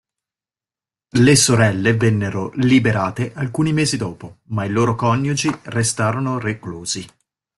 Le sorelle vennero liberate alcuni mesi dopo, ma i loro coniugi restarono reclusi.